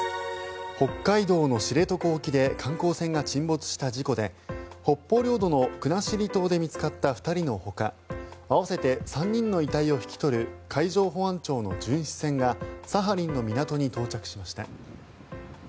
北海道の知床沖で観光船が沈没した事故で北方領土の国後島で見つかった２人のほか合わせて３人の遺体を引き取る海上保安庁の巡視船がサハリンの港に到着しました。